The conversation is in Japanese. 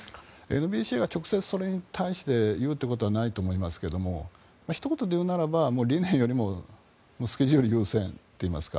ＮＢＣはそれに対して言うことはないと思いますが一言で言うなら理念よりもスケジュール優先といいますか。